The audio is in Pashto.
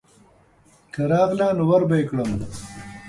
که راغله نو وربه یې کړم.